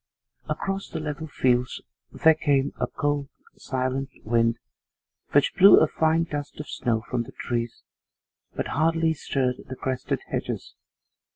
Across the level fields there came a cold, silent wind which blew a fine dust of snow from the trees, but hardly stirred the crested hedges.